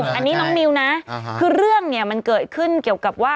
อันนี้น้องมิวนะคือเรื่องเนี่ยมันเกิดขึ้นเกี่ยวกับว่า